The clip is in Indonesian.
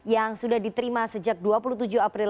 yang sudah diterima sejak dua puluh tujuh april